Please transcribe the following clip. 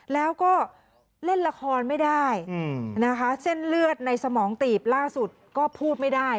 แล้วก็เล่นละครไม่ได้นะคะเส้นเลือดในสมองตีบล่าสุดก็พูดไม่ได้